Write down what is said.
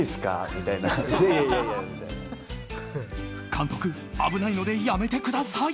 監督、危ないのでやめてください。